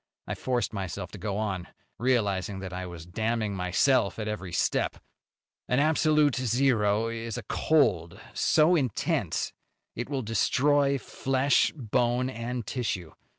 I forced myself to go on, realizing that I was damning myself at every step. "An absolute zero is a cold so intense it will destroy flesh, bone and tissue.